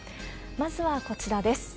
まずはこちらです。